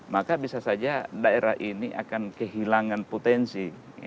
maka bisa saja daerah ini akan kehilangan potensi